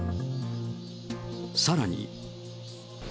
さらに。